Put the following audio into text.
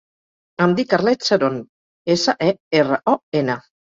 Em dic Arlet Seron: essa, e, erra, o, ena.